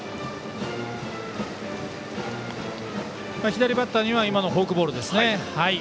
左バッターには今のフォークボールですね。